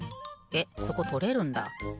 えっそことれるんだ。